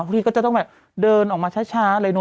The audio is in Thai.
ทุกทีก็จะต้องเดินออกมาช้าได้นะ